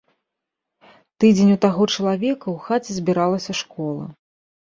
Тыдзень у таго чалавека ў хаце збіралася школа.